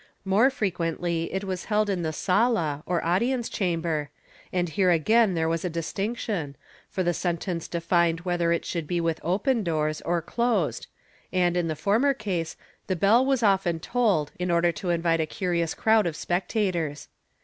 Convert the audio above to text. More frequently it was held in the sala, or audience chamber, and here again there was a dis tinction, for the sentence defined whether it should be with open doors or closed and, in the former case, the bell was often tolled in order to invite a curious crowd of spectators.